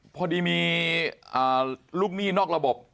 พอดีมีลูกหนี้นอกระบบ